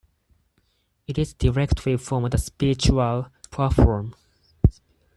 It is directly from the spiritual platform.